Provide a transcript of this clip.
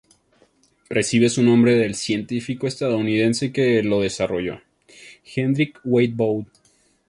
Recibe su nombre del científico estadounidense que lo desarrolló, Hendrik Wade Bode.